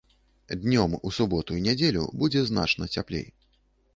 Днём у суботу і нядзелю будзе значна цяплей.